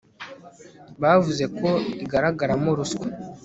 bavuze ko igaragaramo ruswa